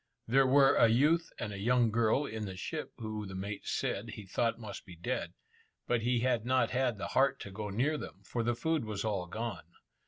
There were a youth and a young girl in the ship who the mate said he thought must be dead, but he had not had the heart to go near them, for the food was all gone.